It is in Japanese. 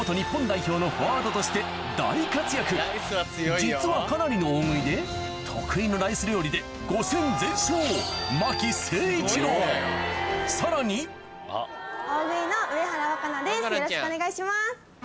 実はかなりの大食いで得意のライス料理でさらによろしくお願いします。